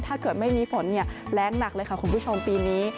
ถ้าเกิดไม่มีฝนแรงหนักเลยค่ะคุณผู้ชมปีนี้